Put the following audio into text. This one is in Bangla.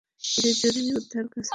এটা জরুরি উদ্ধারকাজ।